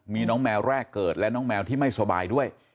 มีน้องแมวแรกเกิดและน้องแมวที่ไม่สบายด้วย